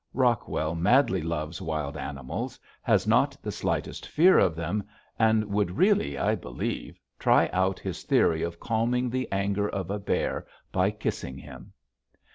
Rockwell madly loves wild animals, has not the slightest fear of them, and would really, I believe, try out his theory of calming the anger of a bear by kissing him.